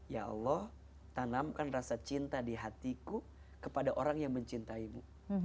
ya allah tanamkan rasa cinta di hatiku kepada orang yang mencintaimu